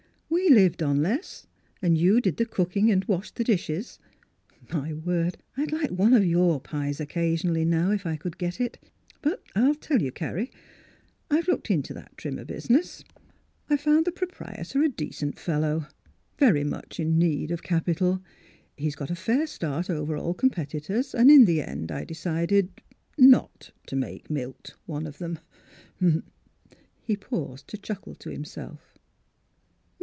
" We lived on less^ and you did the cooking and washed the dishes. My word, I'd like one of your pies occasionally now, if I could get it. But, I'll tell you, Carrie, I've looked into that Trimmer business. I found the pro Miss Philura's Wedding Gown prietor a decent fellow, very much in need of capital. He's got a fair start over all competitors, and in the end I decided — not to make ' Milt ' one of them." He paused to chuckle to himself.